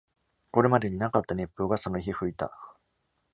これまでに無かった熱風がその日吹いた。